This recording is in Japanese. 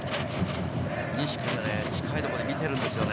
西君が近いところで見てるんですよね。